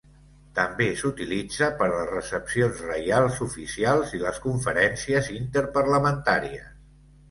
També s'utilitza per a les recepcions reials oficials i les conferències interparlamentàries.